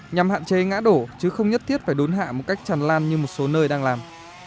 nhằm hạn chế ngã đổ chứ không nhất thiết phải đốn hạ một cách tràn lan như một số nơi đang làm